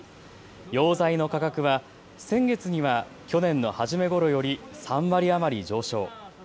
溶剤の価格は先月には去年の初めごろより３割余り上昇。